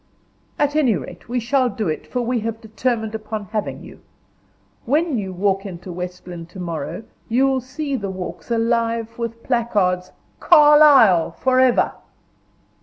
"At any rate, we shall do it, for we have determined upon having you. When you walk into West Lynne to morrow, you'll see the walks alive with placards, 'Carlyle forever!